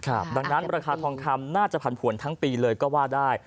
ดังนั้นราคาทองคำน่าจะผันผวนทั้งปีเลยก็ว่าได้